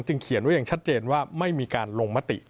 เขียนไว้อย่างชัดเจนว่าไม่มีการลงมติ